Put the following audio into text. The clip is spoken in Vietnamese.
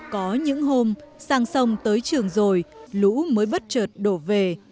có những hôm sang sông tới trường rồi lũ mới bất trợt đổ về